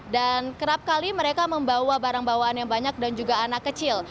dan kerap kali mereka membawa barang bawaan yang banyak dan juga anak kecil